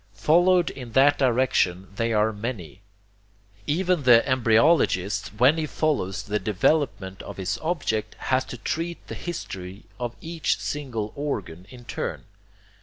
Followed in that direction they are many. Even the embryologist, when he follows the DEVELOPMENT of his object, has to treat the history of each single organ in turn.